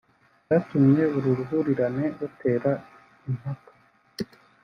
Byatumye uru ruhurirane rutera impaka